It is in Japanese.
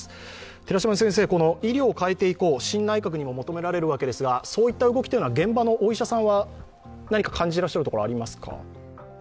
寺嶋先生、医療を変えていこう、新内閣にも求められるわけですがそういった動きというのは現場のお医者さんは何か感じることはありますか？